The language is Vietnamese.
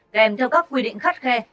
kèm theo các quy định khắt khe